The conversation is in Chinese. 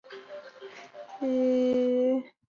秤砣草